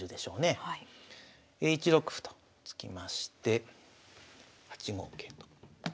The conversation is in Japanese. １六歩と突きまして８五桂と。